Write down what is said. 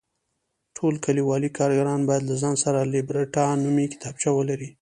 ټول کلیوالي کارګران باید له ځان سره لیبرټا نومې کتابچه ولري.